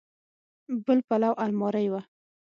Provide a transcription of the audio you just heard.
بل پلو المارۍ وه.